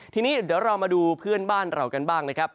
ทีนี้เดี๋ยวเรามาดูเพื่อนบ้านเรากันบ้างนะครับ